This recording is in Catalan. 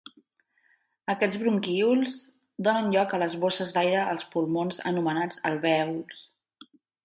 Aquests bronquíols donen lloc a les bosses d'aire als pulmons anomenats alvèols.